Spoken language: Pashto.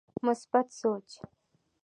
مثبت سوچ